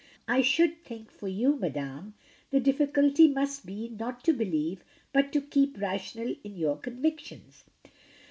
I should think for you, madame, the difficulty must be, not to believe, but to keep rational in your con victions."